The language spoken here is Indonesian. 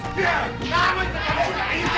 kamu tak mau nangis